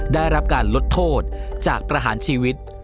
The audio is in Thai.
ได้รับการลดโทษจากประหารชีวิต